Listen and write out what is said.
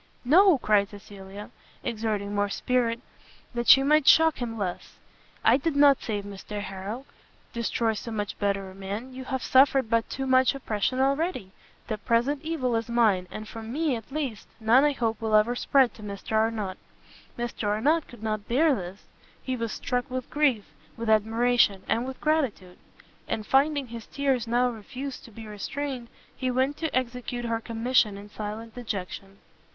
"No," cried Cecilia, exerting more spirit, that she might shock him less, "I did not save Mr Harrel, to destroy so much better a man! you have suffered but too much oppression already; the present evil is mine; and from me, at least, none I hope will ever spread to Mr Arnott." Mr Arnott could not bear this; he was struck with grief, with admiration, and with gratitude, and finding his tears now refused to be restrained, he went to execute her commission in silent dejection.